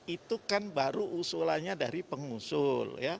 itu kan baru usulannya dari pengusul